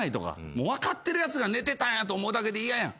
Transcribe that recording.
もう分かってるやつが寝てたんやと思うだけで嫌やん。